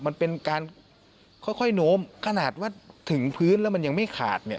มันเป็นการค่อยโน้มขนาดว่าถึงพื้นแล้วมันยังไม่ขาดเนี่ย